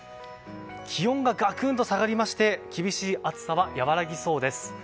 気温がガクンと下がりまして厳しい暑さは和らぎそうです。